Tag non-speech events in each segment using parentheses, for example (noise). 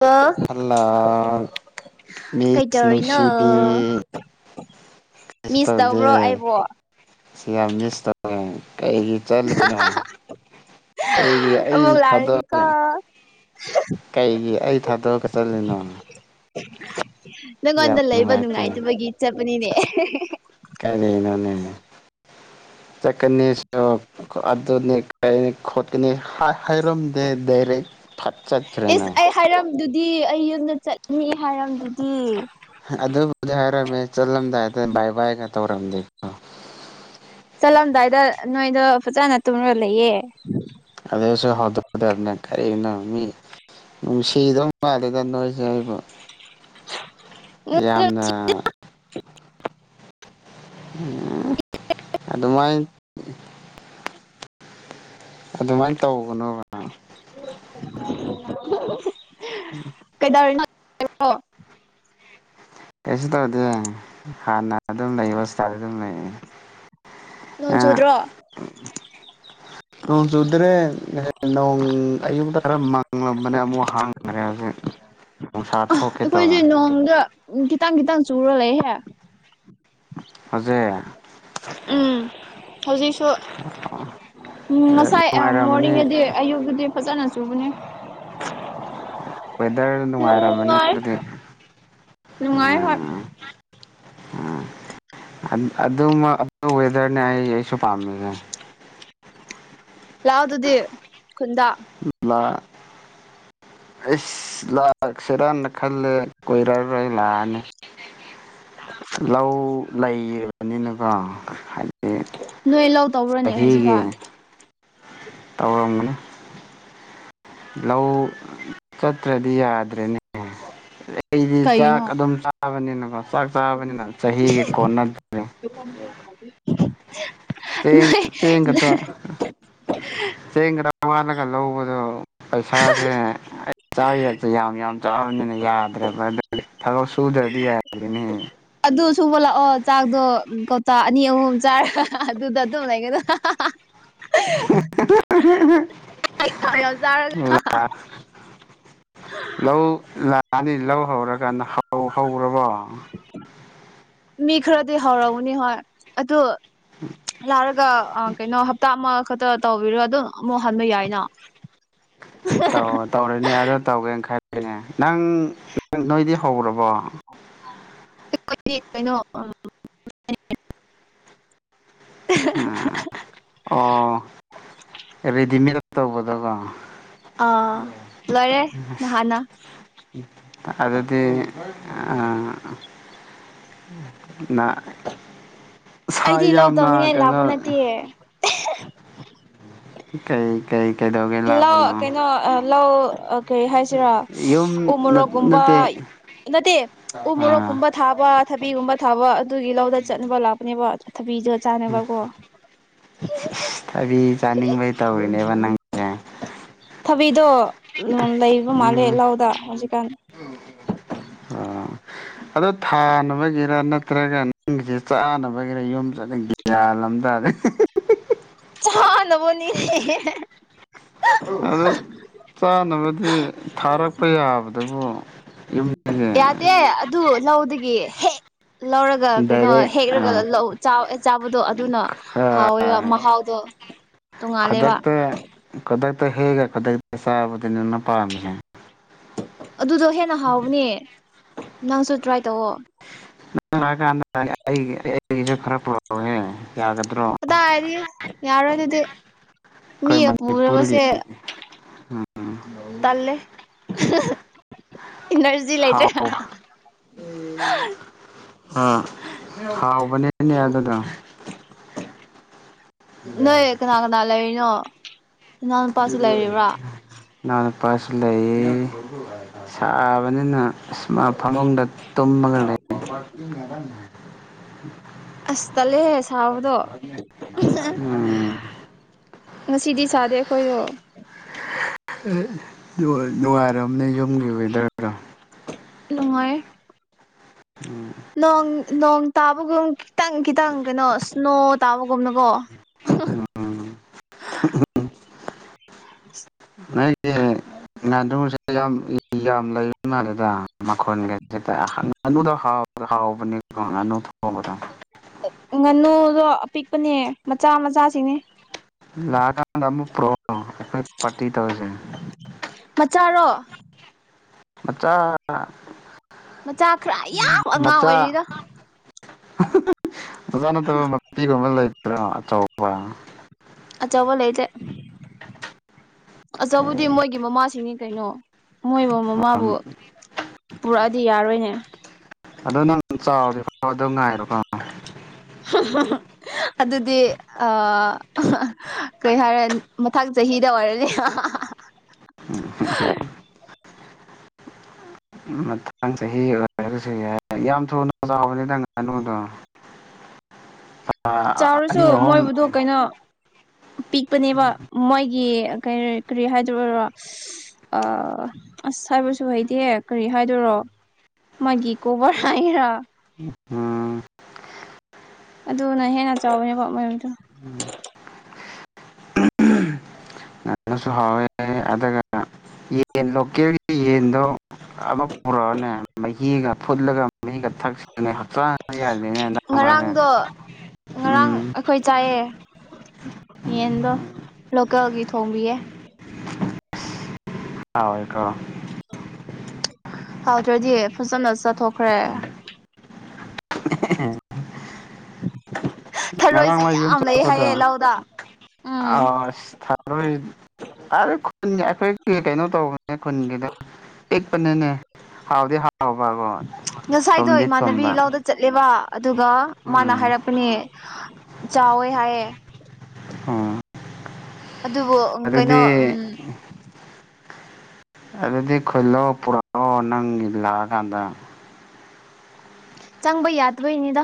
ꯂꯣ hello miss ꯀꯩꯗꯧꯔꯤꯅꯣ ꯅꯨꯡꯁꯤꯕꯤ ꯀꯩꯁꯨ ꯃꯤꯁ ꯇꯧꯕ꯭ꯔꯣ ꯇꯧꯗꯤꯌꯦ ꯑꯩꯕꯣ ꯁꯦ ꯌꯥꯝ ꯃꯤꯁ ꯇꯧꯋꯦ ꯀꯩꯒꯤ ꯆꯠꯂꯤꯅꯣ ꯀꯩꯒꯤ ꯑꯩ ꯑꯃꯨꯛ ꯂꯥꯛꯔꯗꯤꯀꯣ ꯊꯥꯗꯣꯛꯑꯒ ꯀꯩꯒꯤ ꯑꯩ ꯊꯥꯗꯣꯛꯑꯒ ꯆꯠꯂꯤꯅꯣ ꯌꯥꯝ ꯅꯪꯉꯣꯟꯗ ꯂꯩꯕ ꯅꯨꯡꯉꯥꯏꯇꯦ ꯅꯨꯡꯉꯥꯏꯇꯕꯒꯤ ꯆꯠꯄꯅꯤꯅꯦ ꯀꯥꯏ ꯂꯩꯅꯣꯅꯦ ꯆꯀꯅꯤꯁꯨ ꯈ ꯑꯗꯨꯅꯤ ꯀꯩꯅꯤ ꯈꯣꯠꯀꯅꯤ ꯍꯥꯢ ꯍꯥꯏꯔꯝꯗꯦ ꯗꯥꯏꯔꯦꯛ ꯐꯠ ꯆꯠꯈ꯭ꯔꯦꯅꯦ ꯗꯤ ꯑꯩ ꯌꯨꯝꯗ ꯆꯠꯅꯤ ꯍꯥꯏꯔꯝꯗꯨꯗꯤ ꯕꯥ ꯕꯥꯏꯒ ꯇꯧꯔꯝꯗꯦꯀꯣ ꯆꯠꯂꯝꯗꯥꯏꯗ ꯅꯣꯏꯗꯣ ꯐꯖꯅ ꯇꯨꯝꯔ ꯂꯩꯌꯦ ꯑꯗꯨꯁꯨ ꯍꯧꯗꯣꯛꯀꯗꯕꯅꯦ ꯀꯔꯤꯅꯣ ꯃꯤ ꯅꯨꯡꯁꯤꯗꯧ ꯃꯥꯂꯦꯗ ꯅꯣꯏꯁꯦ ꯍꯥꯏꯕ (inaudible) ꯎꯝ ꯌꯥꯝꯅ ꯎꯝ ꯑꯗꯨ ꯃꯥꯏ ꯑꯗꯨꯃꯥꯏꯅ ꯇꯧꯒꯅꯣ ꯀꯩꯗꯧꯔꯤꯅꯣ (unintelligible) ꯀꯩꯁꯨ ꯇꯧꯗꯦ ꯍꯥꯟꯅ ꯑꯗꯨꯝ ꯂꯩ ꯍꯣꯁꯄꯤꯇꯥꯜꯗ ꯑꯗꯨꯝ ꯂꯩꯌꯦ ꯅꯣꯡ ꯑꯥ ꯆꯨꯗ꯭ꯔꯣ ꯅꯣꯡ ꯆꯨꯗ꯭ꯔꯦ ꯅꯣꯡ ꯑꯌꯨꯛꯗ ꯈꯔ ꯃꯪꯂꯝꯕꯅꯦ ꯑꯃꯨꯛ ꯍꯥꯡꯈ꯭ꯔꯦ ꯍꯧꯖꯤꯛ ꯅꯨꯡꯁꯥ ꯑꯥ ꯊꯣꯛꯀꯦ ꯇꯧꯔꯦ ꯑꯩꯈꯣꯏꯁꯦ ꯅꯣꯡꯗ ꯈꯤꯇꯪ ꯈꯤꯇꯪ ꯆꯨꯔ ꯂꯩꯍꯦ ꯍꯧꯖꯦ ꯎꯝ ꯍꯧꯖꯤꯛꯁꯨ ꯎꯝ ꯉꯁꯥꯏ ꯅꯨꯡꯉꯥꯏꯔꯝꯃꯅꯤ ꯃꯣꯔꯅꯤꯡꯒꯗꯤ ꯑꯌꯨꯛꯒꯗꯤ ꯐꯖꯅ ꯆꯨꯕꯅꯤ ꯋꯦꯗꯔ ꯅꯨꯡꯉꯥꯏꯔꯝꯕꯅꯤ ꯑꯗꯨꯗꯤ ꯅꯨꯡꯉꯥꯏ ꯍꯣꯏ ꯎꯝ (inaudible) ꯑꯗꯨ ꯑꯗꯨ ꯋꯦꯗꯔꯅꯦ ꯑꯩ ꯑꯩꯁꯨ ꯄꯥꯝꯃꯤꯁꯦ ꯂꯥꯛ ꯑꯣ ꯗꯨꯗꯤ ꯂꯥ ꯑꯩꯁ ꯂꯥꯛꯁꯤꯔꯅ ꯈꯜꯂꯦ ꯀꯣꯏꯔꯔꯣꯏ ꯂꯥꯛꯑꯅꯤ ꯂꯧ ꯂꯩꯌꯦꯕꯅꯤꯅꯀꯣ ꯍꯥꯏ ꯅꯣꯏ ꯂꯧ ꯇꯧꯕꯔꯅꯦ ꯍꯧꯖꯤꯛꯀꯥꯟ ꯇꯧꯔꯝꯒꯅꯤ ꯂꯧ ꯆꯠꯇ꯭ꯔꯗꯤ ꯌꯥꯗ꯭ꯔꯦꯅꯦ ꯑꯩꯗꯤ ꯀꯩꯅꯣ ꯆꯥꯛ ꯑꯗꯨꯝ ꯆꯥꯕꯅꯤꯅꯀꯣ ꯆꯥꯛ ꯆꯥꯕꯅꯤꯅ ꯆꯍꯤꯒꯤ ꯀꯣꯟꯅꯗ꯭ꯔꯦ (inaudible) ꯆꯦꯡ ꯅꯣꯏ ꯆꯦꯡꯒꯗ ꯆꯦꯡꯒꯗ ꯋꯥꯜꯂꯒ ꯂꯧꯕꯗꯣ ꯄꯩꯁꯥꯁꯦ ꯑꯩ ꯆꯥꯈꯤꯔꯛꯇ ꯌꯥꯝ ꯌꯥꯝ ꯆꯥꯎꯔꯕꯅꯤꯅ ꯌꯥꯗ꯭ꯔꯕ꯭ꯔ ꯊꯕꯛ ꯁꯨꯗ꯭ꯔꯗꯤ ꯌꯥꯗ꯭ꯔꯤꯅꯦ ꯑꯗꯨ ꯁꯨꯕ ꯂꯥꯛꯑꯣ ꯆꯥꯛꯗꯣ ꯀꯧꯇꯥ ꯑꯅꯤ ꯑꯍꯨꯝ ꯆꯥꯔꯒ ꯑꯗꯨꯗ ꯑꯗꯨꯝ ꯂꯩꯒꯗ ꯌꯥꯝ ꯆꯥꯔꯒ ꯂꯧ ꯂꯛꯑꯅꯤ ꯂꯧ ꯍꯧꯔꯀꯥꯟ ꯂꯧ ꯍꯧꯔꯕꯣ ꯃꯤ ꯈꯔꯗꯤ ꯍꯧꯔꯝꯃꯅꯤ ꯍꯣꯏ ꯑꯗꯨ ꯂꯥꯛꯔꯒ ꯀꯩꯅꯣ ꯍꯞꯇꯥ ꯑꯃ ꯈꯛꯇ ꯇꯧꯕꯤꯔꯣ ꯑꯗꯨ ꯑꯃꯨꯛ ꯍꯟꯕ ꯌꯥꯏꯅ ꯇꯧ ꯇꯧꯔꯅꯦ ꯑ ꯇꯧꯒꯦꯅ ꯈꯔꯅꯦ ꯅꯪꯪ ꯅꯣꯏꯗꯤ ꯍꯧꯔꯕꯣ ꯑꯩꯈꯣꯏ ꯗꯤ ꯀꯩꯅꯣ ꯎꯝ ꯑꯣ ꯔꯦꯗꯤꯃꯦꯗ ꯇꯧꯕꯗꯀꯣ ꯑꯥ ꯂꯣꯏꯔꯦ ꯅꯍꯥꯟꯅ ꯑꯗꯨꯗꯤ ꯑꯥ ꯅ ꯑꯩꯗꯤ ꯂꯧ ꯇꯧꯅꯤꯡꯉꯥꯏ ꯂꯥꯛꯄ ꯅꯠꯇꯦꯌꯦ ꯀꯩ ꯀꯩ ꯀꯩꯗꯧꯒꯦ ꯂꯧ ꯂꯥꯛꯄꯅꯣ ꯀꯩꯅꯣ ꯂ ꯀꯩ ꯍꯥꯏꯁꯤꯔꯥ ꯌꯨꯝ ꯎꯃꯣꯔꯣꯛꯒꯨꯝꯕ ꯅꯠꯇꯦ ꯅꯠꯇꯦ ꯎ ꯑꯥ ꯃꯣꯔꯣꯛꯀꯨꯝꯕ ꯊꯥꯕ ꯊꯕꯤꯒꯨꯝꯕ ꯊꯥꯕ ꯑꯗꯨꯒꯤ ꯂꯧꯗ ꯆꯠꯅꯕ ꯂꯥꯛꯄꯅꯦꯕ ꯊꯕꯤꯁꯨ ꯆꯥꯅꯕꯀꯣ ꯊꯕꯤ ꯆꯥꯅꯤꯡꯕꯩ ꯇꯧꯔꯤꯅꯦꯕ ꯅꯪꯁꯦ ꯊꯕꯤꯗꯣ ꯂꯩꯕ ꯃꯥꯜꯂꯦ ꯎꯝ ꯂꯥꯎꯗ ꯍꯧꯖꯤꯛꯀꯥꯟ ꯑꯗ ꯊꯥꯅꯕꯒꯤꯔ ꯅ ꯅꯠꯇ꯭ꯔꯒ ꯅꯪꯒꯤꯁꯦ ꯆꯥꯅꯕꯒꯤꯔ ꯌꯨꯝ ꯆꯠꯂꯤꯁꯦ ꯒꯌꯥꯟ ꯑꯃ ꯇꯥꯗꯦ ꯆꯥꯅꯕꯅꯤ ꯅꯦ ꯍꯦꯍꯦ ꯑꯗ ꯆꯥꯅꯕꯗꯤ ꯊꯥꯔꯛꯄ ꯌꯥꯕꯗꯨꯕꯨ ꯌꯨꯝꯗꯒꯤ ꯌꯥꯗꯦ ꯑꯗꯨ ꯂꯧꯗꯒꯤ ꯍꯦꯛ ꯂꯧꯔꯒ ꯀꯩꯅꯣ ꯗꯥꯏꯔꯦꯛ ꯍꯦꯛꯂꯒ ꯂꯧ ꯆꯥ ꯆꯥꯕꯗꯣ ꯑꯗꯨꯅ ꯍꯥꯎꯋꯦꯕ ꯃꯍꯥꯎ ꯈꯨꯗꯛꯇ ꯇ ꯈꯨꯗꯛꯇ ꯍꯦꯛꯂꯒ ꯆꯥꯕꯗꯨꯅꯦꯕ ꯅꯪ ꯄꯥꯝꯃꯤꯁ ꯑꯗꯨꯗꯣ ꯍꯦꯟꯅ ꯍꯥꯎꯕꯅꯦ ꯅꯪꯁꯨ ꯇ꯭ꯔꯥꯏ ꯇꯧꯑꯣ ꯀꯥꯟꯗ ꯑꯩ ꯑꯩꯒꯤꯁꯨ ꯈꯔꯄꯣꯔꯛ ꯑꯣ ꯀꯗꯥꯏꯗꯒꯤ ꯌꯥꯔꯣꯏꯗꯨꯗꯤ ꯃꯤ ꯑꯩꯈꯣꯏ ꯄꯨꯔꯒ ꯃꯅꯤꯄꯨꯔꯒꯤ ꯁꯦ ꯇꯜꯂꯦ ꯑꯦꯅꯔꯖꯤ ꯂꯩꯇꯦ ꯍꯥꯎ ꯑ ꯍꯥꯎꯕꯅꯤꯅꯦ ꯑꯗꯨꯗ ꯅꯣꯏ ꯀꯅꯥ ꯀꯅꯥ ꯂꯩꯔꯤꯅꯣ ꯏꯅꯥꯎ ꯅꯨꯄꯥꯁꯨ ꯂꯩꯔꯤꯕ꯭ꯔꯥ ꯅꯥꯎꯄꯁꯨ ꯂꯩꯌꯦ ꯁꯥ ꯅꯤꯅ ꯐꯃꯨꯡꯗ ꯇꯨꯝꯂꯒ ꯂꯩꯌꯦ ꯑꯁ ꯇꯜꯂꯦ ꯍꯦ ꯁꯥꯕꯗꯣ ꯎꯝ ꯉꯁꯤꯗꯤ ꯁꯥꯗꯦ ꯑꯩꯈꯣꯏꯗꯣ ꯑꯦ ꯅꯨꯡꯉꯥꯏꯔꯝꯅꯦ ꯌꯨꯝꯒꯤ ꯋꯦꯗꯔꯗꯣ ꯅꯨꯡꯉꯥꯏ ꯎꯝ ꯅꯣꯡ ꯅꯣꯡ ꯇꯥꯕꯒꯨꯝ ꯈꯤꯇꯪ ꯈꯤꯇꯪ ꯀꯩꯅꯣ ꯏꯁ꯭ꯅꯣ ꯇꯥꯕꯒꯨꯝꯅꯀꯣ ꯎꯝ ꯍꯍ ꯅꯣꯏꯒꯤ ꯅꯥꯗꯨꯁꯦ ꯌꯥꯝ ꯌꯥꯝ ꯂꯩꯕꯩ ꯃꯥꯜꯂꯦꯗ ꯃꯈꯣꯟꯒꯁꯦ ꯗꯨꯗꯣ ꯍꯥꯎꯕꯅꯦ ꯉꯥꯅꯨ ꯊꯣꯡꯒꯗ ꯑꯗꯣ ꯑꯄꯤꯛꯄꯅꯦ ꯃꯆꯥ ꯃꯆꯥꯁꯤꯡꯅꯦ ꯂꯥꯛꯒ ꯇ ꯄ꯭ꯔꯣ ꯔꯛ ꯑꯣ ꯑꯩꯈꯏ ꯄꯥꯔꯇꯤ ꯇꯧꯁꯦ ꯆꯔꯣ ꯃꯆꯥ ꯃꯆꯥ ꯈꯔ ꯌꯥꯝ ꯑꯉꯥꯡ ꯃꯆꯥ ꯑꯣꯏꯔꯤꯗ ꯃꯆꯥ ꯅꯠꯇꯕ ꯃꯄꯤꯒꯨꯝꯕ ꯂꯩꯇ꯭ꯔꯣ ꯑꯆꯧꯕ ꯑꯆꯧꯕ ꯂꯩꯇꯦ ꯑꯆꯧꯕꯗꯤ ꯃꯣꯏꯒꯤ ꯃꯃꯥꯁꯤꯡꯅꯤ ꯀꯩꯅꯣ ꯃꯣꯏꯕꯨ ꯃꯃꯥꯕꯨ ꯄꯨꯔꯛꯑꯗꯤ ꯌꯥꯔꯣꯏꯅꯦ ꯑꯗꯣ ꯅꯪ ꯆꯥꯎꯗꯔꯤꯕ ꯑꯗꯨ ꯉꯥꯏꯔꯣꯀꯣ ꯍꯝꯍꯝ ꯑꯗꯨꯗꯤ ꯀꯩ ꯍꯥꯏꯔꯦ ꯃꯊꯪ ꯆꯍꯤꯗ ꯑꯣꯏꯔꯅꯤ (inaudible) (unintelligible) ꯃꯇꯥꯡ ꯆꯍꯤ ꯑꯣꯏꯁꯨ ꯌꯥ ꯌꯥꯝ ꯊꯨꯅ ꯆꯥꯎꯕꯅꯤꯗꯪ ꯉꯥꯅꯨꯗꯣ ꯆꯥꯎꯔꯁꯨ ꯑꯅꯤ ꯑꯍꯨꯝ ꯃꯣꯏꯕꯨꯗꯨ ꯀꯩꯅꯣ ꯄꯤꯛꯄꯅꯦꯕ ꯃꯣꯏꯒꯤ ꯀꯔꯤ ꯀꯔꯤ ꯍꯥꯏꯗ ꯑꯣꯏꯔꯣ ꯑ ꯑꯁ ꯍꯥꯏꯕꯁꯨ ꯍꯩꯇꯤꯌꯦ ꯀꯔꯤ ꯍꯥꯏꯗꯔꯣ ꯃꯣꯏꯒꯤ ꯒꯤ ꯀꯣꯕꯔ ꯍꯥꯏꯒꯦꯔ ꯑꯥ ꯑꯗꯨꯅ ꯍꯦꯟꯅ ꯆꯥꯎꯕꯅꯦ ꯄꯣꯠ ꯃꯌꯥꯝꯗ ꯎꯝ ꯅꯅꯁꯨ ꯍꯥꯎꯋꯦ ꯑꯗꯨꯒ ꯌꯦꯟ ꯂꯣꯀꯦꯜꯒꯤ ꯌꯦꯟꯗꯣ ꯑꯃ ꯄꯨꯔꯛꯑꯣꯅꯦ ꯃꯍꯤꯒ ꯐꯨꯠꯂꯒ ꯃꯤꯒ ꯊꯛꯁꯤꯅꯦ ꯍꯛꯆꯥꯡ ꯌꯥꯅꯤꯅꯦ ꯉꯔꯥꯡꯗꯣ ꯉꯔꯥꯡ ꯑꯩꯈꯣꯏ ꯆꯥꯏꯑꯦ ꯌꯦꯟꯗꯣ ꯂꯣꯀꯦꯜꯒꯤ ꯊꯣꯡꯕꯤꯌꯦ ꯍꯧꯋꯦ ꯀꯣ ꯍꯥꯎꯗ꯭ꯔꯗꯤ ꯐꯖꯅ ꯆꯊꯣꯛꯈ꯭ꯔꯦ ꯉꯔꯥꯡ ꯊꯔꯣꯏꯁꯨ ꯅꯣꯢ ꯌꯨꯝ ꯌꯥꯝ ꯂꯩ ꯆꯠꯄꯗ ꯍꯥꯏꯌꯦ ꯂꯧꯗ ꯎꯝ ꯑꯁ ꯊꯔꯣꯏ ꯇꯔꯦ ꯈꯨꯟꯒꯤ ꯑꯩꯈꯣꯏ ꯀꯩꯅꯣ ꯇꯧꯕꯅꯦ ꯈꯨꯟꯒꯤꯗꯣ ꯄꯤꯛꯄꯅꯤꯅꯦ ꯍꯥꯎꯗꯤ ꯍꯥꯎꯕꯀꯣ ꯉꯁꯥꯏꯗꯣ ꯊꯨꯝꯗꯤ ꯏꯃꯥꯟꯅꯕꯤ ꯊꯨꯝꯕ ꯂꯧꯗ ꯆꯠꯂꯦꯕ ꯑꯗꯨꯒ ꯃꯥꯅ ꯎꯝ ꯍꯥꯏꯔꯛꯄꯅꯦ ꯆꯥꯎꯋꯦ ꯍꯥꯏꯌꯦ ꯑꯣ ꯑꯗꯨꯕꯨ ꯀꯩꯅꯣ ꯑꯗꯨꯗꯤ ꯎꯝ ꯑꯗꯨꯗꯤ ꯈꯨꯂꯣꯛꯑꯣ ꯄꯨꯔꯛꯑꯣ ꯅꯪꯒꯤ ꯂꯥꯛꯑꯀꯥꯟꯗ ꯆꯪꯕ ꯌꯥꯗꯕꯩꯅꯦꯗ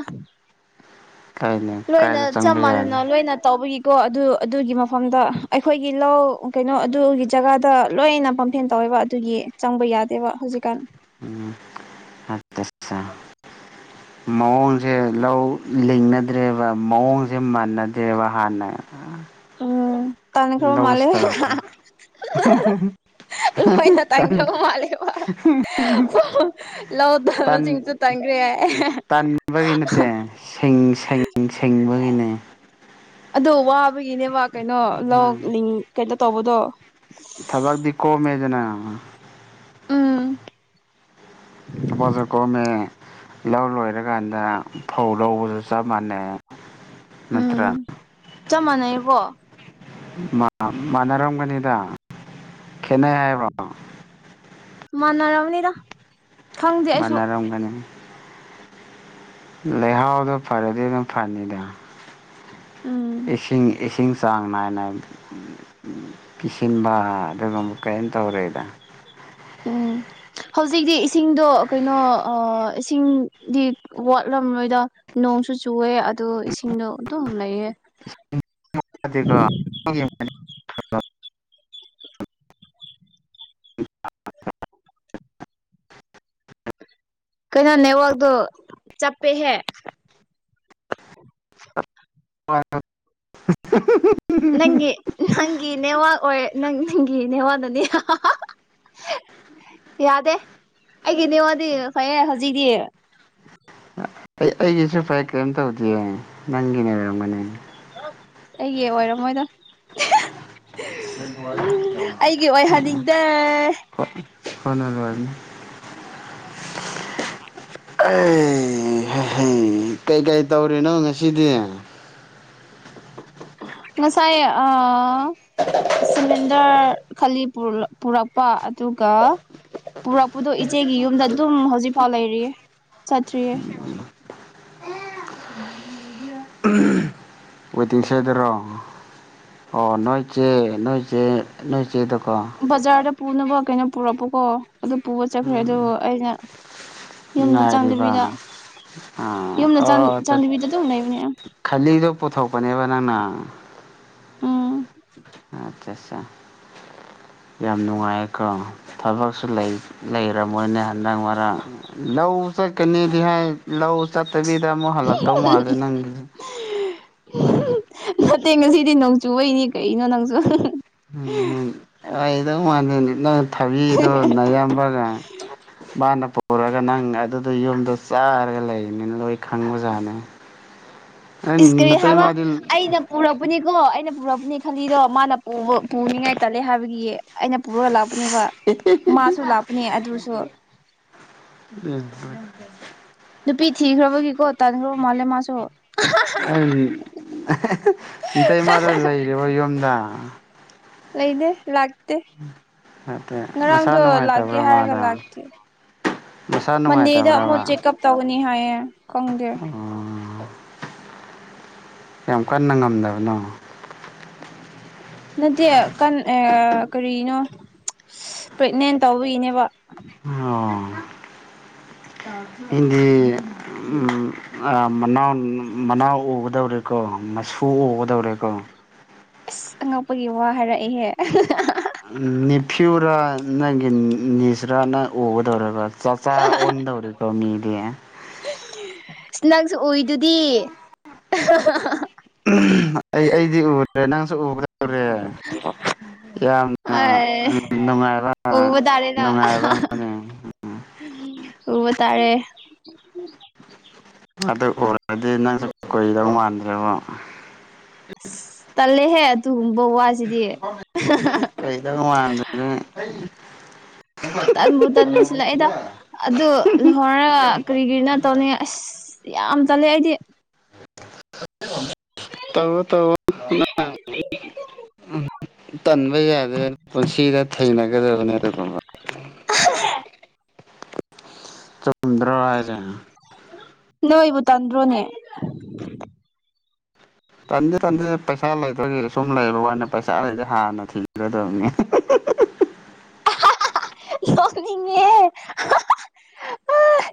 ꯀꯥꯏꯅ ꯂꯣꯏꯅ ꯀꯥꯏꯗ ꯆꯞ ꯆꯪꯕ ꯌꯥꯅꯤ ꯃꯥꯟꯅꯅ ꯂꯣꯏꯅ ꯇꯧꯕꯒꯤ ꯀꯣ ꯑꯗꯨ ꯑꯗꯨꯒꯤ ꯃꯐꯝꯗ ꯑꯩꯈꯣꯏꯒꯤ ꯂꯧ ꯀꯩꯅꯣ ꯑꯗꯨꯒꯤ ꯖꯒꯥꯗ ꯂꯣꯏꯅ ꯄꯝꯐꯦꯟ ꯇꯧꯋꯦ ꯑꯗꯨꯒꯤ ꯆꯪꯕ ꯌꯥꯗꯦꯕ ꯍꯧꯖꯤꯛꯀꯥꯟ (unintelligible) ꯃꯑꯣꯡꯁꯦ ꯂꯧ ꯂꯤꯡꯅꯗ꯭ꯔꯦꯕ ꯃꯑꯣꯡꯁꯦ ꯃꯅꯗ꯭ꯔꯦꯕ ꯍꯥꯟꯅ ꯎꯝ ꯇꯟ ꯈꯕ ꯃꯂꯦ ꯂꯧꯁꯤꯗ ꯍꯥ (unintelligible) ꯂꯣꯢꯅ ꯇꯟ ꯇꯟꯈ꯭ꯔꯕ ꯃꯥꯂꯦꯕ ꯂꯧꯗꯕꯁꯤꯡꯁꯨ ꯇꯟꯈꯔꯦ ꯇꯟꯥꯕꯒꯤ ꯅꯠꯇꯦ ꯁꯤꯡ ꯁꯤꯡ ꯁꯤꯡꯕꯒꯤꯅꯦ ꯑꯗꯣ ꯋꯥꯕꯒꯤꯅꯦꯕ ꯀꯩꯅꯣ ꯂꯧ ꯂꯤꯡ ꯀꯩꯅꯣ ꯇꯧꯕꯗꯣ ꯊꯕꯥꯛꯇꯤ ꯀꯣꯝꯃꯦꯗꯅ ꯎꯝ ꯊꯕꯥꯛꯁꯣ ꯀꯣꯝꯃꯦ ꯂꯧ ꯂꯣꯏꯔꯀꯥꯟꯗ ꯐꯧ ꯂꯧꯕꯁꯨ ꯆꯞ ꯃꯥꯟꯅꯩ ꯅꯠꯇ꯭ꯔꯥ ꯎꯝ ꯆꯞ ꯃꯥꯟꯅꯩꯀꯣ ꯃꯥꯟ ꯃꯥꯟꯅꯔꯝꯒꯅꯤꯗ ꯈꯠꯅꯩ ꯍꯥꯢꯕ ꯃꯥꯟꯅꯔꯝꯅꯤꯗ ꯈꯪꯗꯦ ꯑꯩꯁꯨ ꯃꯟꯅꯔꯝ ꯒꯅꯤ ꯂꯩꯍꯥꯎꯗꯣ ꯐꯔꯗꯤ ꯑꯗꯨꯝ ꯐꯅꯤꯗ ꯎꯝ ꯏꯁꯤꯡ ꯏꯁꯤꯡ ꯆꯥꯡ ꯅꯥꯢ ꯅꯥꯢꯅ ꯀꯤꯁꯤꯟꯕꯥ ꯑꯗꯨꯒ ꯑꯃꯨꯛ ꯀꯩꯝ ꯇꯧꯔꯦꯗ ꯎꯝ ꯍꯧꯖꯤꯛꯇꯤ ꯏꯁꯤꯡꯗꯣ ꯀꯩꯅꯣ ꯏꯁꯤꯡꯗꯤ ꯋꯥꯠꯂꯝ ꯂꯣꯏꯗ ꯅꯣꯡꯁꯨ ꯆꯨꯑꯦ ꯑꯗꯨ ꯏꯁꯤꯡꯗꯣ ꯑꯗꯨꯝ ꯂꯩꯌꯦ ꯑꯗꯨꯒ (unintelligible) (unintelligible) ꯀꯩꯅꯣ ꯅꯦꯠꯋꯥꯛꯗꯣ ꯆꯞꯄꯦꯍꯦ ꯍꯣꯏ ꯅꯪꯒꯤ ꯅꯪꯒꯤ ꯅꯦꯋꯥꯛ ꯍꯣꯢ ꯅꯪꯒꯤ ꯅꯦꯋꯥꯗꯨꯗꯤ ꯍꯥꯍꯥ ꯌꯥꯗꯦ ꯑꯩꯒꯤ ꯅꯤꯉꯣꯟꯗꯤ ꯉꯥꯁꯥꯢꯒꯩ ꯍꯧꯖꯤꯛꯇꯤ ꯑꯩ ꯑꯩꯒꯤꯁꯨ ꯐꯥꯏꯌꯦ ꯀꯔꯤꯝ ꯇꯧꯗꯤꯌꯦ ꯅꯪꯒꯤꯅ ꯑꯣꯏꯔꯝꯒꯅꯤ ꯑꯩꯒꯤ ꯑꯣꯏꯔꯝ ꯃꯣꯏꯗ (unintelligible) ꯑꯣꯏꯍꯟꯅꯤꯡꯗꯦ (unintelligible) ꯈꯣꯢꯅ ꯂꯣꯢꯔꯝꯅꯤ ꯑꯦ ꯍꯩꯍꯩ ꯀꯩꯀꯩ ꯇꯧꯔꯤꯅꯣ ꯉꯁꯤꯗꯤ ꯉꯁꯥꯏ ꯑꯥ ꯁꯤꯂꯤꯟꯗꯔ ꯈꯥꯜꯂꯤ ꯄꯨꯔꯛꯄ ꯑꯗꯨꯒ ꯄꯨꯔꯛꯄꯗꯣ ꯏꯆꯦꯒꯤ ꯌꯨꯝꯗ ꯑꯗꯨꯝ ꯍꯧꯖꯤꯛꯐꯥꯎ ꯂꯩꯔꯤꯌꯦ ꯆꯠꯇ꯭ꯔꯤꯌꯦ ꯋꯦꯇꯤꯡ ꯁꯦꯠꯇꯔꯣ ꯑꯣ ꯅꯣꯏ ꯆꯦ ꯅꯣꯏ ꯆꯦ ꯅꯣꯢ ꯆꯦꯗꯀꯣ ꯕꯖꯥꯔꯗ ꯄꯨꯅꯕ ꯀꯩꯅꯣ ꯄꯨꯔꯛꯄꯀꯣ ꯑꯗꯨ ꯄꯨꯕ ꯆꯠꯈ꯭ꯔꯦ ꯑꯗꯨ ꯑꯩꯅ ꯌꯨꯝꯗ ꯉꯥꯏꯔꯤꯕ ꯆꯪꯗꯕꯤꯗ ꯑ ꯌꯨꯝꯗ ꯑꯣ ꯆꯠ ꯆꯪꯗꯕꯤꯗ ꯑꯗꯨꯝ ꯂꯩꯕꯅꯦ ꯈꯥꯂꯤꯗꯣ ꯄꯣꯊꯥꯛ ꯄꯅꯦꯕ ꯅꯪꯅ ꯎꯝ ꯑꯆꯥꯆꯥ ꯌꯥꯝ ꯅꯨꯡꯉꯥꯏꯀꯣ ꯊꯕꯛꯁꯨ ꯂꯩ ꯂꯩꯔꯝ ꯃꯣꯏꯅꯦ ꯍꯟꯗꯛ ꯃꯔꯛ ꯂꯧ ꯆꯠꯀꯅꯤꯗꯤ ꯍꯥꯏ ꯂꯧ ꯆꯠ ꯅꯠꯇꯕꯤꯗ ꯑꯃꯨꯛ ꯍꯜꯂꯛꯇꯧ ꯃꯥꯜꯂꯦ ꯅꯪꯒꯤꯁꯦ ꯅꯠꯇꯦ ꯉꯁꯤꯗꯤ ꯅꯣꯡꯆꯨꯕꯩꯅꯤ ꯀꯩꯅꯣ ꯅꯪꯁꯨ ꯎꯝ (unintelligible) ꯃꯥꯟꯗꯦ ꯅꯪ ꯊꯕꯤꯗꯣ ꯅꯌꯥꯝꯕꯒ ꯃꯥꯅ ꯄꯨꯔꯒ ꯅꯪ ꯑꯗꯨꯗ ꯌꯨꯝꯗ ꯆꯥꯔꯒ ꯂꯩꯕꯅꯤꯅ ꯂꯣꯏ ꯈꯪꯕꯖꯥꯠꯅꯦ ꯏꯁꯀꯔꯤ ꯍꯥꯏꯕ ꯅꯇꯩꯃꯗꯤ ꯑꯩꯅ ꯄꯨꯔꯛꯄꯅꯤ ꯀꯣ ꯑꯩꯅ ꯄꯨꯔꯛꯄꯅꯦ ꯈꯥꯜꯂꯤꯗꯣ ꯃꯥꯅ ꯄꯨꯕ ꯄꯨꯅꯤꯡꯉꯥꯏ ꯇꯜꯂꯦ ꯍꯥꯏꯕꯒꯤ ꯑꯩꯅ ꯄꯨꯔꯒ ꯂꯥꯛꯄ ꯂꯥꯛꯄꯅꯦꯕ ꯃꯥꯁꯨ ꯂꯥꯞꯄꯅꯦ ꯑꯗꯨꯁꯨ ꯅꯨꯄꯤ ꯊꯤꯈ꯭ꯔꯕꯒꯤꯀꯣ ꯇꯥꯟꯈ꯭ꯔꯕ ꯃꯥꯜꯂꯦ ꯃꯥꯁꯨ ꯑꯍꯥꯍꯥ ꯑꯇꯩꯃꯥꯗꯣ ꯂꯩꯔꯤꯕꯣ ꯌꯨꯝꯗ ꯂꯩꯅꯦ ꯂꯥꯛ ꯅꯠꯇꯦ ꯃꯁꯥ ꯅꯨꯡꯉꯥꯏ ꯂꯥꯛꯀꯦ ꯇꯕ꯭ꯔꯣ ꯍꯥꯏꯔꯒ ꯃꯥꯗꯣ ꯂꯥꯛꯇꯦ ꯃꯁꯥ ꯃꯟꯗꯦꯗ ꯑꯃꯨꯛ ꯅꯨꯡꯉꯥꯏꯇꯕ꯭ꯔꯥꯕ ꯆꯦꯛꯑꯞ ꯇꯧꯒꯅꯤ ꯍꯥꯏꯌꯦ ꯈꯪꯗꯦ ꯑꯣ ꯌꯥꯝ ꯀꯟꯅ ꯉꯝꯗꯕꯅꯣ ꯅꯠꯇꯦ ꯀꯟ ꯀꯔꯤꯅꯣ ꯄ꯭ꯔꯦꯒꯅꯦꯟ ꯇꯧꯕꯋꯒꯤꯅꯦꯕ ꯑꯣ ꯍꯤꯟꯗꯤ ꯃꯅꯥꯎ ꯃꯅꯥꯎ ꯎꯒꯗꯧꯔꯦꯀꯣ ꯃꯁꯨ ꯎꯒꯗꯧꯔꯦꯀꯣ ꯑꯁ ꯑꯉꯛꯄꯒꯤ ꯋꯥ ꯍꯥꯏꯔꯛꯑꯦꯍꯦ ꯅꯤꯐꯤꯌꯨꯔꯥ ꯅꯪꯒꯤ ꯅꯤꯁꯔꯥꯅꯪ ꯎꯒꯗꯧꯔꯒ ꯆꯆꯥ ꯑꯣꯟꯗꯧꯔꯦꯀꯣ ꯃꯤꯗꯤ ꯏꯁ ꯅꯪꯁꯨ ꯎꯏꯗꯨꯗꯤ ꯑꯩ ꯑꯩꯗꯤ ꯎꯗ꯭ꯔꯦ ꯅꯪꯁꯨ ꯎꯕ ꯌꯥꯝꯅ ꯅꯨꯡꯉꯥꯏꯕ (inaudible) ꯑ ꯎꯕꯇꯥꯔꯦꯗꯣ ꯅꯨꯡꯉꯥꯏꯕ ꯑꯃꯅꯦ ꯎꯕꯇꯥꯔꯦ ꯑꯗꯨ ꯎꯔꯗꯤ ꯅꯪꯁꯨ ꯀꯨꯏꯗꯧ ꯃꯥꯟꯗ꯭ꯔꯦꯉꯣ ꯇꯜꯂꯦꯍꯦ ꯑꯗꯨꯨꯒꯨ ꯕ ꯋꯥꯁꯤꯗꯤ ꯀꯩꯗꯧ ꯃꯥꯟꯗ꯭ꯔꯦ ꯇꯟꯕꯨ ꯇꯟꯁꯤꯜꯂꯛꯑꯦꯗ ꯑꯗꯨ ꯂꯩꯍꯧꯔꯒ ꯀꯔꯤ ꯀꯔꯤꯅꯣ ꯇꯧꯅꯤꯉꯥꯢ ꯑꯁ ꯌꯥꯝ ꯇꯜꯂꯦ ꯑꯩꯗꯤ ꯇꯋꯣ ꯇꯋꯣ ꯇꯟꯕ ꯌꯥꯗꯦ ꯄꯨꯟꯁꯤꯗ ꯊꯩꯅꯒꯗꯕꯅꯦ ꯑꯗꯨꯒꯨꯝꯕ ꯆꯨꯝꯗ꯭ꯔꯣ ꯍꯥꯢꯖꯦ ꯇꯥꯟꯗ꯭ꯔꯨꯅꯦ ꯇꯟꯗꯦ ꯇꯟꯗꯦ ꯄꯩꯁꯥ ꯂꯩꯇ꯭ꯔꯒꯤꯗꯤ ꯁꯨꯝ ꯂꯩꯕ ꯋꯥꯅꯦ ꯄꯩꯁꯥ ꯂꯩꯗꯤ ꯍꯥꯟꯅ ꯊꯤꯒ꯭ꯔꯗꯕꯅꯤ (inaudible) ꯅꯣꯛꯅꯤꯡꯉꯦꯍꯦ ꯍꯥ-ꯍꯥ ꯑꯍ